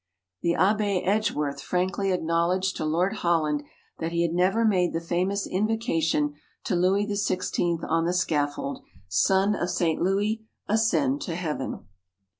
The Abbé Edgeworth frankly acknowledged to Lord Holland that he had never made the famous invocation to Louis XVI on the scaffold: "Son of St. Louis, ascend to heaven."